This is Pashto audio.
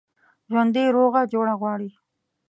ژوندي روغه جوړه غواړي